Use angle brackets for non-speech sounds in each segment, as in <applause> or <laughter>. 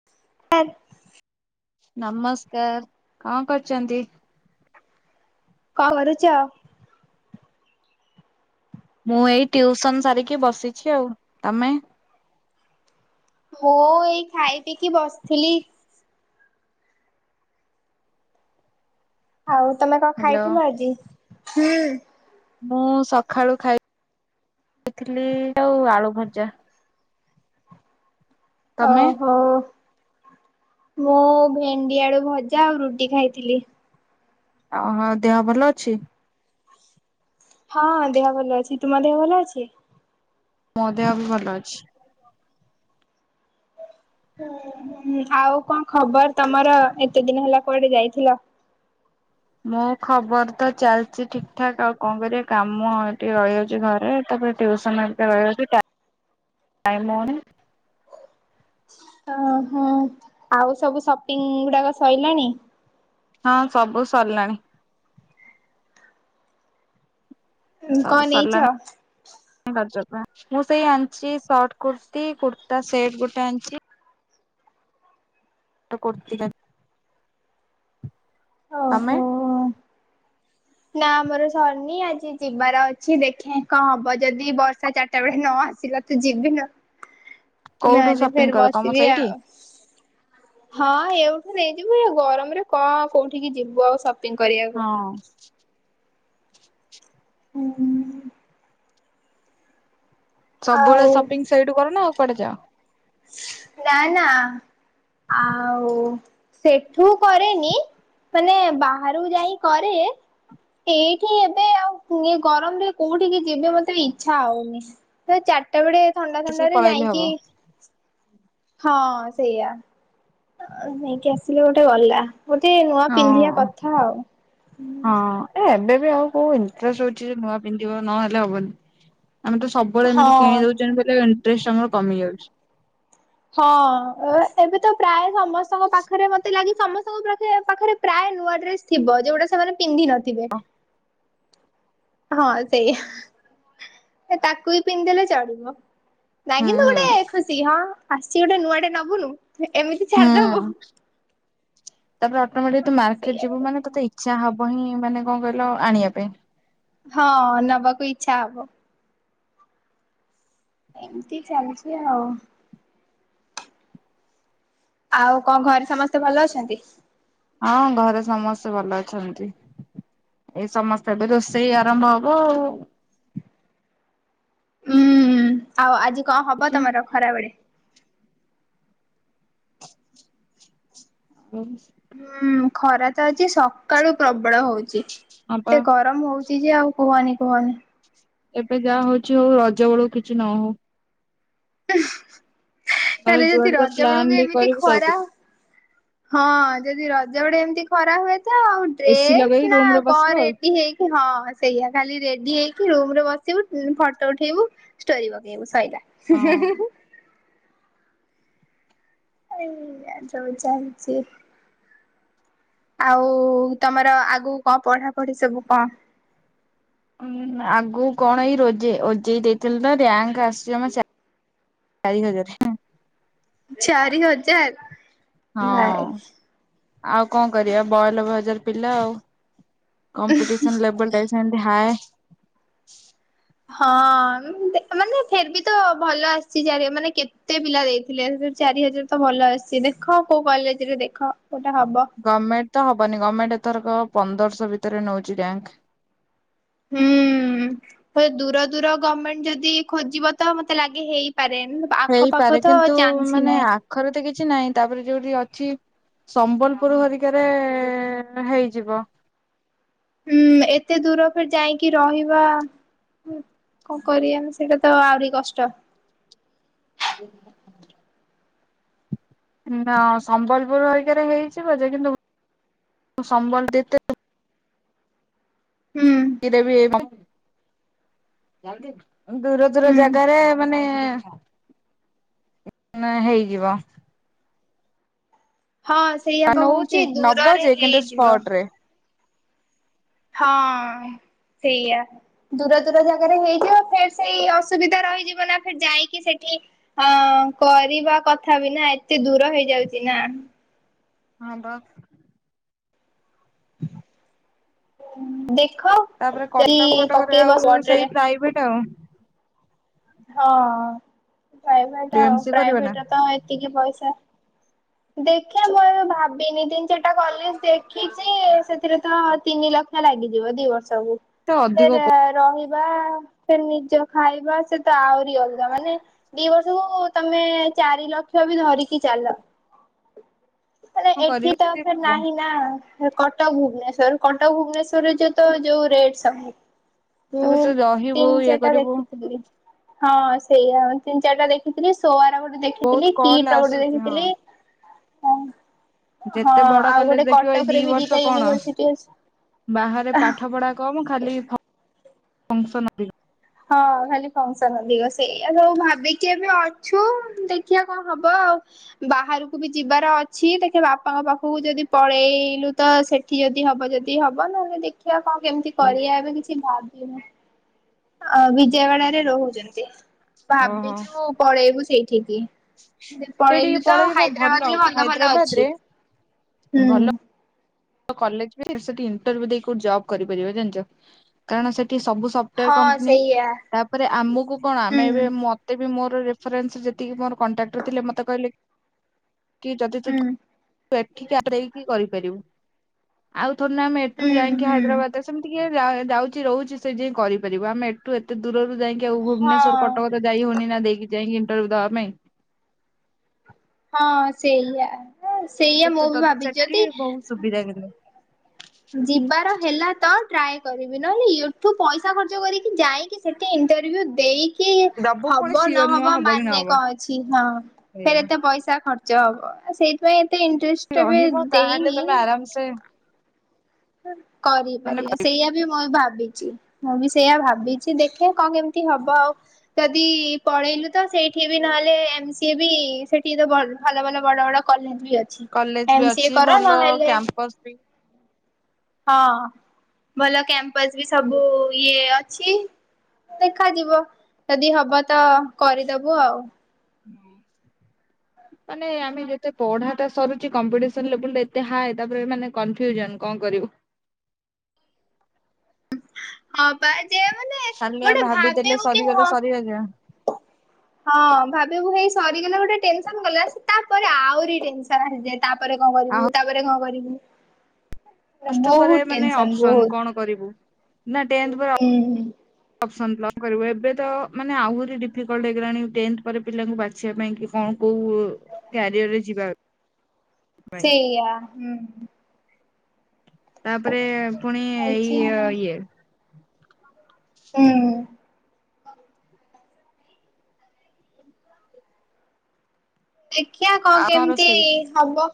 <inaudible> ନମସ୍କାର କଣ କରୁଛନ୍ତି। କ କରୁଚ। ମୁଁ ଏଇ ଟ୍ୟଉସନ ସାରିକି ବସିଛି ଆଉ ତମେ? ହୁ ଏଇ ଖାଇ ତିକି ବସିଥିଲି। ଆଉ ତମେ କ ହ୍ୟାଲୋ। ଖାଇଥିଲ ଆଜି। ମୁଁ ସକାଳୁ ଖାଇ <inaudible> ଇଥିଲି ଆଉ ଆଳୁ ଭଜା। ତମେ? ଓହୋ। ମୁଁ ଭେଣ୍ଡି ଆଳୁ ଭଜା ଆଉ ରୁଟି ଖାଇଥିଲି। ଓ ହଁ ଦେହ ଭଲ ଅଛି? ହଁ ଦେହ ଭଲ ଅଛି ତୁମ ଦେହ ଭଲ ଅଛି? ମୋ ଦେହ ବି ଭଲ ଅଛି। ଆଉ କଣ ଖବର ତମର ଏତେ ଦିନ ହେଲା କୁଆଡେ ଯାଇଥିଲ? ମୁଁ ଖବର ତ ଚାଲିଛି ଠିକ ଠାକ ଆଉ କଣ କରିବା କାମ ଏଠି ରହିଯାଉଛି ଘରେ ତାପରେ ଟିଉସନ ହରିକା ରହିଯାଚି ଟା ଟାଇମ୍ ହୋଉ ନେଇଁ। ଓ ହଁ ଆଉ ସବୁ ସପିଙ୍ଗ ଗୁଡାକ ସଇଲାଣି? ହଁ ସବୁ ସରିଲାଣି। କଣ ସବୁ ନେଇଛ? ସରିଲାଣି। <unintelligible> ମୁଁ ସେଇ ଆଣିଚି ସର୍ଟ କୁର୍ତ୍ତି କୁର୍ତ୍ତା ସେଟ୍ ଗୋଟେ ଆଣିଚି। ଏଟା କୁର୍ତି ଟା ତମେ? ଓହୋ। ନା ଆମର ସରିନି। ଆଜି ଯିବାର ଅଛି ଦେଖେ କଣ ହବ ଯଦି ବର୍ଷା ଚା ଟା ବେଳେ ନ ଆସିଲା ତ ଯିବି। ନ କୋଉଠୁ ନହେଲେ ସପିଙ୍ଗ ଫେର୍ କର ତମ ବସିବି ସେଇଠି? ଆଉ। ହଁ ଏଉଠୁ ନେଇଯିବୁ। ଏ ଗରମରେ କଣ କୋଉଠିକି ଯିବୁ ଆଉ ସ ହଁ। <unintelligible> ସବୁବେଳେ ଆଉ ସପିଙ୍ଗ ସେଇଠୁ କର ନା ଆଉ କୁଆଡେ ଯାଅ? ନା ନା ଆଉ ସେଠୁ କରେନି। ମାନେ ବାହାରକୁ ଯାଇଁକି କରେ। ଏଇଠି ଏବେ ଆଉ ଇଏ ଗରମରେ କୋଉଠିକି ଯିବି ମତେ ଇଚ୍ଛା ହଉନି। ତ ଚାରିଟା ବେଳେ ଥଣ୍ଡା ଆସିକି ଥଣ୍ଡା ରେ ପଳେଇଲେ ହବ। ଯାଇକି ହଁ ସେଇଆ। ନେଇକି ଆସିଲେ ଗୋଟେ ଗଲା। ଗୋଟେ ନୂଆ ପିନ୍ଧିବା ହଁ କଥା ଆଉ। ହଁ। ଏ ଏବେ ବି ଆଉ କୋଉ ଇଣ୍ଟ୍ରେଷ୍ଟ ହଉଚି ଯେ ନୂଆ ପିନ୍ଧିବ ନହେଲେ ହବନି। ଆମେ ତ ସବୁବେଳେ ଏମତି ହଁ କିଣି ଦଉଚନ୍ତେ ବୋଲେ ଇଣ୍ଟ୍ରେଷ୍ଟ ଆମର କମି ଯାଉଚି। ହଁ। ଏବେ ତ ପ୍ରାୟ ସମସ୍ତଙ୍କ ପାଖରେ ମତେ ଲାଗେ ସମ ସ୍ତଙ୍କ ପାଖରେ ପାଖରେ ପ୍ରାୟ ନୂଆ ଡ୍ରେସ ଥିବ। ଯୋଉଟା ସେମାନେ ପିନ୍ଧି ନଥିବେ। ହଁ ସେଇଆ। ଏ ତାକୁ ବି ପିନ୍ଧିଦେଲେ ଚଳିବ। ନାଇଁ ହୁଁ କିନ୍ତୁ ଗୋଟେ ଖୁସି। ହଁ ଆସିଚି ଗୋଟେ ନୂଆଟେ ନବୁନୁ ଏମିତି ହୁଁ। ଛାଡିଦବୁ। ତାପରେ ଅଟୋମେଟିକ୍ ତୁ ମାର୍କେଟ ସେଇଆ ଯିବୁ ମାନେ ଗୋଟେ ତତେ ଇଚ୍ଛା ହବ ହିଁ ମାନେ କଣ କହିଲ ଆଣିବା ପାଇଁ। ହଁ ନବାକୁ ଇଚ୍ଛା ହବ। ଏମତି ଚାଲିଚି ଆଉ। ଆଉ କଣ ଘରେ ସମସ୍ତେ ଭଲ ଅଛନ୍ତି? ହଁ ଘରେ ସମସ୍ତେ ଭଲ ଅଛନ୍ତି। ଏ ସମସ୍ତେ ଏବେ ରୋଷେଇ ଆରମ୍ଭ ହବ ଆଉ। ଉଁ ଆଉ ଆଜି କଣ ହବ ତମର ଖରାବେଳେ? <inaudible> ହୁଁ ଖରା ତ ଆଜି ସକାଳୁ ପ୍ରବଳ ହଉଚି। ହଁ ପା। ଗରମ ହଉଚି ଯେ ଆଉ କୁହନି କୁହନି। ଏବେ ଯାହା ହଉଚି ହଉ ରଜ ବେଳକୁ କିଛି ନହଉ। <unintelligible> ମାନେ ହେଲେ ଯଦି ଯୁଆଡେ ଯା ରଜ ପ୍ଲାନ୍ ବେଳକୁ ବି ଏମିତି କରିବୁ ଖରା ଯାଇପା ହଁ ଯଦି ରଜ ବେଳେ ଏମିତି ଖରା ହୁଏ ତ ଆଉ ଏସିି ଡ୍ରେସ୍ ଲଗେଇ ନା ରୁମ ରେ ବସିବ କଣ ରେଡି ହେଇ ହଁ ସେଇଆ। ଖାଲି ରେଡି ହେଇକି ରୁମ୍ ରେ ବସିବୁ, ଫଟୋ ଉଠେଇବୁ। ଷ୍ଟୋରି ପକେଇବୁ ଶଇଲା। ଆଉ ହଁ। ଏଇଆ ସବୁ ଚାଲିଚି। ଆଉ ତମର ଆଗକୁ କଣ ପଢାପଢି ସବୁ କଣ? ଆଗୁକୁ କଣ ଏଇ ରୋଜେଇ ଓଜେଇ ଦେଇଥିଲି ତ ରାଙ୍କ ଆସିଚି ଜମା ଚା ଚାରି ହଜାରେ। ଚାରି ହଜାର। ହଁ ଭାଇ ଆଉ କଣ କରିବା ବୟାଲବେ ହଜାର ପିଲା ଆଉ। କମ୍ପିଟିସନ୍ ଲେବୁଟା ବି ସେମିତି ହାଏ। ହଁ ମାନେ ଫେର୍ ବି ତ ଭଲ ଆସିଚି ଚାରି ମାନେ କେତେ ପିଲା ଦେଇଥିଲେ ସେ ଚାରି ହଜାର ତ ଭଲ ଆସିଚି। ଦେଖ କୋଉ କଲେଜ୍ ରେ ଦେଖ କୋଉଟା ହବ। ଗମେଣ୍ଟ ତ ହବନି। ଗମେଣ୍ଟ ଏଥରକ ପନ୍ଦରଶହ ଭିତରେ ନଉଚି ରାଙ୍କ। ହୁଁ। ଦୂର ଦୂର ଗମେଣ୍ଟ ଯଦି ଖୋଜିବ ତ ମତେ ଲାଗି ହେଇପାରେ। ଆଖପାଖ ହେଇପାରେ ତ କିନ୍ତୁ ଚାନ୍ସ ହିଁ ମାନେ ନାହିଁ ଆଖରେ ତ କିଛି ନାହିଁ ତାପରେ ଯୋଉଠି ଅଛି ସମ୍ବଲପୁର ହରିକାରେ ହେଇଯିବ। ହୁଁ ଏତେ ଦୂର ଫରେ ଯାଇକି ରହିବା କଣ କରିବା ସେଇଟା ତ ଆହୁରି କଷ୍ଟ। ହ ନା ସମ୍ବଲପୁର ହରକାରେ ହେଇଛି ବ ଯେ କିନ୍ତୁ ସମ୍ବଲପୁରତେ <unintelligible> ହୁଁ <unintelligible> <unintelligible> ଦୂର ଦୂର ହୁଁ ଜାଗାରେ ମାନେ ନା ହେଇଯିବ। ହଁ ସେଇଆପା ନଉଛି କହୁଛି ନବ ଦୂରରେ ଯେ କିନ୍ତୁ ହେଇଯିବ। ସ୍ପଟ ରେ। ହଁ ସେୟା। ଦୂର ଦୂର ଜାଗାରେ ହେଇଯିବ ଫେରେ ସେଇ ଅସୁବିଧା ରହିଯିବ ନା ଯାଇକି ସେଠି ହ କରିବା କଥା ବି ନା ଏତେ ଦୂର ହେଇଯାଉଛି ନା। ହଁ ବା ଦେଖ ତାପରେ ଯଦି କଟକ ଫଟକରେ ପକେଇବ ଆଉ ସ୍ପଟ୍ ରେ ସେଇ ପ୍ରାଇଭେଟ ଆଉ। ହଁ ପ୍ରାଇଭେଟ ଆଉ ଏମସି କରିବ ନା ପ୍ରାଇଭେଟ ତ ଏତିକି ପଇସା। ଦେଖିବା ମୁଁ ଏବେ ଭାବିନିି ତିନି ଚାରିଟା କଲେଜ ଦେଖିଛି ସେଥିରେ ତ ତିନି ଲକ୍ଷ ଲାଗିଯିବ ଦି ବର୍ଷକୁ। ତ ଅଧିକ ଫେର ରହିବା ଫରେ ନିଜ ଖାଇବା ସେ ତ ଆହୁରି ଅଲଗା ମାନେ ଦି ବର୍ଷକୁ ତମେ ଚାରି ଲକ୍ଷ ବି ଧରିକି ଚାଲ। ମନେ କଣ ଏଠି କରିବ ତ ଏତେ ନାହିଁ ତାପରେ ନା। କଟକ ଭୁବନେଶର କଟକ ଭୁବନେଶ୍ୱରରେ ଯୋଉ ତ ଯୋଉ ରେଡ ସବୁ। ମୁଁ ତୁ ରହିବୁ ତିନି ଇଏ ଚାରଟା କରିବୁ ଦେଖିଥିଲି। ହଁ ସେଇଆ, ମୁଁ ତିିନ ଚାରିଟା ଦେଖିଥିଲି ସୋଆର ଗୋଟେ ଦେଖୀ ବହୁତ କଲ ଆସୁଛି ହଁ ଦ୍ୱଖିଠିକି ଯେତେ ବଡ କଲେଜ ଗୋଟେ ଦେଖିବ ଏଇ ଦି କଟକରେ ବି ଦିଟା ବର୍ଷ କଣ ୟୁନିଭରସିଟି ଅଛି। ବାହାରେ ପାଠ ପଢା କମ୍ ଖାଲି ଫୋନ ଫଙ୍କସନ ଅଧିକ। ହଁ ଖାଲି ଫସନ ଅଧିକ। ସେଇ ସବୁ ଭାବିକି ଏବେ ଅଛୁ ଦେଖିବା କଣ ହବ ଆଉ। ବାହାରକୁ ବି ଯିବାର ଅଛି ଦେଖେ ବାପାଙ୍କ ପାଖକୁ ଯଦି ପଳେଇଲୁ ତ ସେ ଯଦି ହବ ଯଦି ହବ ନହେଲେ ଦେଖିବା କଣ କେମିତି ଅଧିକ କରିବା ଏବେ କିଛି ଭାବିନୂ। ଅ ବିଜୟଭାଡରେ ରହୁଛନ୍ତି ଓହୋ ଭାବିଛୁ ପଳେଇବୁ ସେଇଠିକି। ସେଇଠିକି ପଳେଇଲୁ ତ ପଳେଇବ ହାଇଦ୍ରାବାଦ ଭଲ ରେ <unintelligible> ଭଲ ହାଇଦ୍ରାବାଦ ଅଛି। ରେ ହୁଁ ଭଲ କଲେଜ ସେଠି <unintelligible> ଦେଇ ଜବ କରିପାରିବ ଜାଣିଛ? କାରଣ ସେଠି ସବୁ <unintelligible> ହଁ କମ୍ପାନୀ ସେଇଆ ତାପରେ ଆମକୁ କଣ ହୁଁ ଆମେ ଏବେ ମତେ ବି ମୋର ରେଫରେନ୍ସ ଯେତିକି ମୋର କଣ୍ଟାକ୍ଟର ଥିଲେ ମତେ କହିଲେ କି ଯଦି ତୁ ହୁଁ ୁ ଏଠିକି ଆଡ଼େଇକି କରିପାରିବୁ ଆଉ <unintelligible> ଏଠୁ ହୁଁ ଯାଇକି ହୁଁ। ହାଇଦ୍ରାବାଦ ସେମତି କିଏ ଯାଉଛି ରହୁଛି ସେ ଯାଇଁ କରିପାରିବ। ଆମେ ଏଠୁ ଏତେ ଦୂରରୁ ଯାଇକି କେଉ ଭୁବନେଶ୍ୱର ହଁ କଟକ ଯାଇ ହଉନି ଦେଇକି ଯାଇକି ଇଣ୍ଟରଭ୍ୟୁ ଦେବା ପାଇଁ। ହଁ ସେଇଆ ସେଇଆ କିନ୍ତୁ ମୁଁ ବି ଭାବିଛି ସେଠି ଯଦି ବହୁତ ସୁବିଧା କିନ୍ତୁ। ଯିବାର ହେଲା ତ ଟ୍ରାଏ କରିବି ନହେଲେ ଠୁ ପଇସା ଖର୍ଚ୍ଚ କରିକି ଯାଇକି କେତେ ଇଣ୍ଟରଭିୁ ଦେଇ କି ଦବୁ ପୁଣି ହବ ସିଓର ନୁହଁ ନହବ ହବ କି ମାନେ ନହବ କଣ ଅଛି ହଁ ଫେରେ ସେଇଆ ଏତେ ପଇସା ଖର୍ଚ୍ଚ ଜବ୍ ସେଇଥିପାଇଁ ଏତେ ଇଣ୍ଟରେଷ୍ଟ ଏବେ ରହିବ ତାହେଲେ ଦେଇନି। <unintelligible> ମାନେ କରିପାରିବା ସେଇୟଆ ବି ମୁଁ ଭାବିଛି ମୁଁ ବି ସେଇଆ ଭାବିଛି ଦେଖେ କଣ କେମତି ହବ ଆଉ। ଯଦି ପଢେଇଲୁ ତ ସେଇଠି ବି ନହେଲେ ଏମ ସିଏ ବି ସେଠି ତ ଭଲ ଭଲ ବଡ ବଡ କଲେଜ ବି ଅଛି। ଏମ ସି ଏ କର ନହେଲେ ମ୍ପସ୍ ବି ହଁ ଭଲ କ୍ୟାମ୍ପସ ବି ସବୁ ଇଏ ଅଛି ଦେଖାଯିବ ଯଦି ହବ ତ କରିଦବୁ ଆଉ। <inaudible> ହଁ ମାନେ ଆମେ ଯେତେ ପଢାଟା ସରୁଛି କମ୍ପିଟିସନ ଲେବୁଲରେ ଏତେ ହାଏ। ତାପରେ ମାନେ କନଫ୍ୟୁଜନ କଣ କରିବୁ? ଆପ ଖାଲି ଆମେ ଭାବି ଦେଲେ ସରିଗଲେ ସରି <unintelligible> ହ ହଁ ଭାବିବୁ ହେଇ ସରିଗଲେ ଗୋଟେ ଟେନସନ ଗଲା ତାପରେ ଆହୁରି ଟେନସନ ଆସିଯାଏ। ତାପରେ କଣ କରିବୁ? ଆଉ ତାପରେ କଣ କରିବୁ? ପ୍ଲସ ଟୁ ପରେ ବହୁତ ମାନେ ଟେନସନ ଅପ୍ସନ ବହୁତ କଣ କରିବୁ? ନା ଟେନ୍ଥ ପରେ ଅ ହୁଁ ହୁଁ ଅପ୍ସନ୍ କଣ କରିବୁ ଏବେ ତ ମାନେ ଆହୁରି ଡିଫିକଲ୍ଟ ହେଇଗଲାଣି ଟେନ୍ଥ ପରେ ପିଲାଙ୍କୁ ବାଛିବା ପାଇଁ କି କଣ କୋଉ କ୍ୟାରିଅରରେ ଯିବା ପାଇଁ ସେଇଆ ହୁଁ। ତାପରେ ପୁଣି ଚାଲିଛି ଏଇ ଇୟ ଆଉ ଇଏ। ହୁଁ। ଦେଖିଆ କଣ ଆଉ କେମିତି ରୋଷେଇ? ହବ?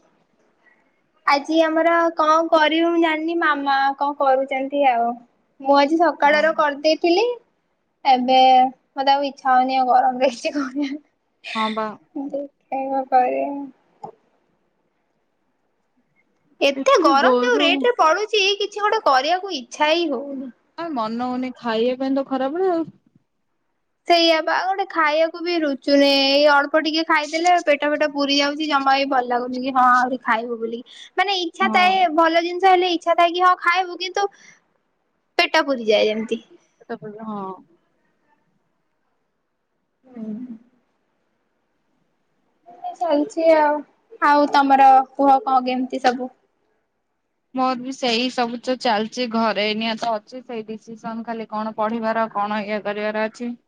ଆଜି ଆମର କଣ କରିବି ମୁଁ ଜାଣିନି ମାମା କଣ କରୁଛନ୍ତି ଆଉ ମୁଁ ଆଜି ଆଉ ସକାଳର କରିଦେଇଥିଲି ଏବେ ମତେ ଆଉ ଇଚ୍ଛା ହଉନି ଆଉ ଗରମରେ କିଛି କରିଆକୁ। ହଁ ବା। ଦେଖିଆ କଣ କରିଆ ଆଉ। ଏତେ ଗରମ ଯୋଉ ରେଟରେ ପଡୁଛି କିଛି ଗୋଟେ କରିବାକୁ ଇଚ୍ଛା ହିଁ ହଉନି। ଆଉ ମନ ହଉନି ଖାଇବା ପାଇଁ ତ ଖରାବେଳେ ଆଉ। ସେଇଆ ବା ଗୋଟେ ଖାଇବାକୁ ବି ରୁଚୁନି ଏଇ ଅଳ୍ପ ଟିକେ ଖାଇଦେଲେ ପେଟ ଫେଟ ପୁରୀ ଯାଉଛି ଜମା ବି ଭଲ ଲାଗୁନି କି ହଁ ଆହୁରି ଖାଇବୁ ବୁଲିକି ମାନେ ଇଚ୍ଛା ଥାଏ ହଁ। ଭଲ ଜିନିଷ ହେଲେ ଇ ଇଛା ଥାଏ କି ହଁ ଖାଇବୁ କିନ୍ତୁ ପେଟ ପୁରିଯାଏ ଯେମତି ପେଟ ପୂର୍ ହଁ। ହୁଁ। ଚାଲିଛି ଆଉ, ଆଉ ତମର କୁହ କଣ କେମିତି ସବୁ? ମୋର ବି ସେଇ ସବୁ ଯୋଉ ଚାଲିଛି ଘରେ ଏଇନା ତ ଅଛି ସେଇ ଡିସିସନ ଖାଲି କଣ ପଢିବାର କଣ ଇଏ କରିବାର ଅଛି? ହ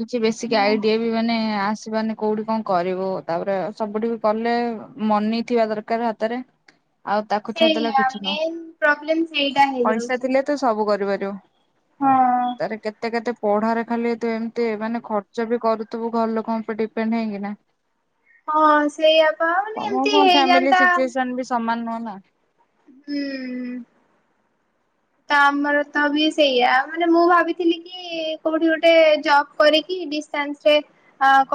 କିଛି ବେସିକ୍ ଆଇଡିଆ ମାନେ ଆସିବନି କୋଉଠି କଣ କରିବୁ ତାପରେ ସବୁଠି ବି କଲେ ମନି ଥିବା ଦର କାର ହାତରେ ଆଉ ତାକ ସେଇଆ ମେନ୍ ପ୍ରୋବ୍ଲେମ ସେଇଟା ପଇସା ହେଇଯାଉଛି। ଥିଲେ ତୁ ସବୁ କରିପାରିବୁ ହଁ ତାରେ କେତେ କେତେ ପଢାରେ ଖାଲି ଏତେ ଏମିତି ମାନେ ଖର୍ଚ୍ଚ ବି କରୁଥିବୁ ଘର ଲୋକଙ୍କ ଉପରେ ଡିପେଣ୍ଡ ହେଇକିନା ହଁ ସେଇଆ ପା ମାନେ ଏମିତି ସମସ୍ତଙ୍କ ଫ୍ୟାମିଲି ହେଇଯାନ୍ତା ସିଚୁଏସନ ବି ସମାନ ନୁହଁ ନା! ହୁଁ। ତ ଆମର ତ ବି ସେଇଆ ଆଉ ମାନେ ମୁଁ ଭାବିଥିଲି କି କି କୋଉଠି ଗୋଟେ ଜବ କରିକି ଡିଷ୍ଟାନ୍ସରେ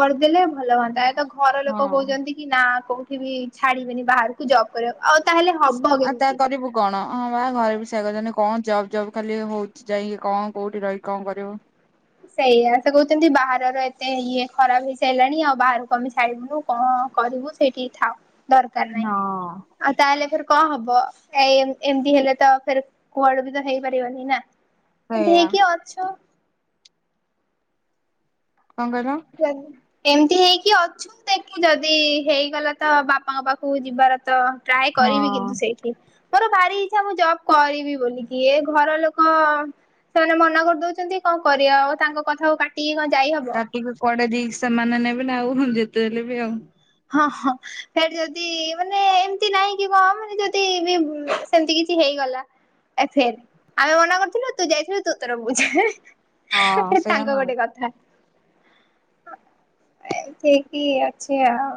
କରିଦେଲେ ଅ ଭଲ ହୁଅନ୍ତା ଏବେ ଘ ଘର ଲୋକ ହଁ। କହୁଛନ୍ତି କି ନା କୋଉଠି ବି ଛାଡିବେନି ବାହାରୁ ତୁ ଜବ କରିବାକୁ। ଆଉ ତାହେଲେ ହବ ଆଉ ତା କେମିତି? କରିବୁ କଣ ହଁ ବା ଘରେ ବି ସେଇଆ କହୁଛନ୍ତି କଣ ଜବ୍ ଜବ୍ ଖାଲି ହଉଛି ଯାଇଁକି କଣ କୋଉଠି ରହିକି କଣ କରିବୁ? ସେଇଆ ସେ କହୁଛନ୍ତି ବାହାରର ଏତେ ଇଏ ଖରାପ ହେଇସାରିଲଣି ଆଉ ବାହାରକୁ ଆମେ ଛାଡିବୁନୁ କଣ କରିବୁ ସେତିକି ଥାଉ ଦରକାର ନାହିଁ। ହଁ। ଆଉ ତାହେଲେ ଫେରେ କଣ ହବ ଏଇ ଏମ-ଏମତି ହେଲେ ଫେରେ କୁଆଡେ ବି ତ ହେଇପାରିବନି ନା ଏନ୍ତି ସେଇଆ ହେଇକି ଅଛୁ। କଣ କହିଲୁ? <unintelligible> ଏମତି ହେଇକି ଅଛୁ ଦେଖି ଯଦି ହେଇଗଲା ତ ବାପାଙ୍କ ପାଖୁକୁ ଯିବାର ତ ଟ୍ରାଏ କରିବି ହଁ। କିନ୍ତୁ ସେଇଠି। ମୋର ଭାରି ଇଚ୍ଛା ମୁଁ ଜବ୍ କରିବି ବୋଲିକି ଏ ଘର ଲୋକ ସେମାନେ ମନା କରିଦଉଛନ୍ତି କଣ କରିଆ ଆଉ ତାଙ୍କ କଥାକୁ କାଟିକି କଣ ଯାଇହବ। ଟିକେ କୁଆଡେ ରିକ୍ସ ସେମାନେ ନେବେ ନା ଆଉ ହିଁ ଯେତେ ହେଲେ ବି ଆଉ। ହଁ ହଁ। ଫେର ଯଦି ମାନେ ଏମତି ନାଇଁ କି କଣ ମାନେ ଯଦି ସେମତି କିଛି ହେଇଗଲା। ଏ ଫେର ଆମେ ମନା କରିଥିଲୁ ତୁ ଯାଇଥିଲୁ ତୁ ତୋର ବୁଝ ହେଁ। ହଁ। ସେଇଆ ତାଙ୍କ ନହେଲେ ଗୋଟେ କଥା। ଏନ୍ତି ହେଇକି ଅଛି ଆଉ।